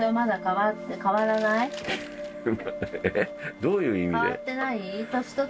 どういう意味で？